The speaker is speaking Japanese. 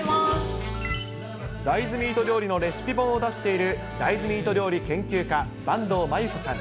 大豆ミート料理のレシピ本を出している大豆ミート料理研究家、坂東万有子さん。